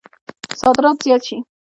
صادرات زیات شي.